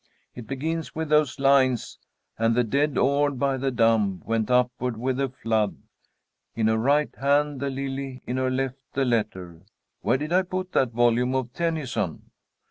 It begins with those lines, 'And the dead, oared by the dumb, went upward with the flood. In her right hand the lily, in her left the letter.' Where did I put that volume of Tennyson?"